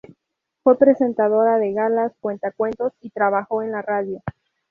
Fue presentadora de galas, cuentacuentos y trabajó en la radio.